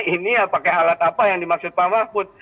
ini pakai alat apa yang dimaksud pak mahfud